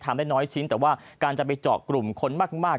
ได้น้อยชิ้นแต่ว่าการจะไปเจาะกลุ่มคนมาก